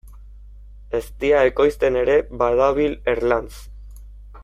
Eztia ekoizten ere badabil Erlanz.